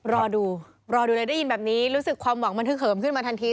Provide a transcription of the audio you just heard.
รอดูรอดูเลยได้ยินแบบนี้รู้สึกความหวังมันทึกเหิมขึ้นมาทันที